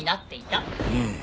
うん。